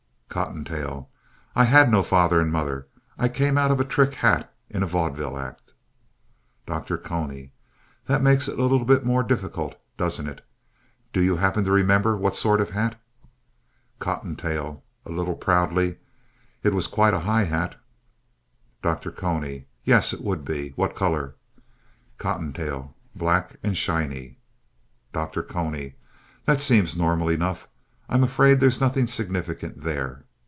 COTTONTAIL I had no father or mother. I came out of a trick hat in a vaudeville act. DR. CONY That makes it a little more difficult, doesn't it? Do you happen to remember what sort of a hat? COTTONTAIL (a little proudly) It was quite a high hat. DR. CONY Yes, it would be. What color? COTTONTAIL Black and shiny. DR. CONY That seems normal enough. I'm afraid there's nothing significant there.